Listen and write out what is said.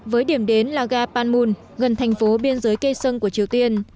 với điểm đến là ga panmun gần thành phố biên giới cây sơn của triều tiên